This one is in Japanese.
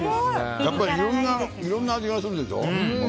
やっぱりいろんな味がするでしょ。